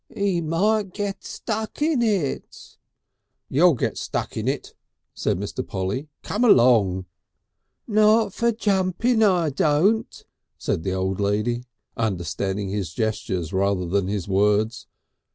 "He might git stuck in it." "You'll get stuck in it," said Mr. Polly, "come along!" "Not for jumpin' I don't," said the old lady, understanding his gestures rather than his words.